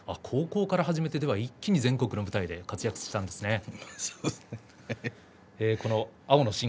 高校から始めて一気に全国の舞台で活躍したんですね。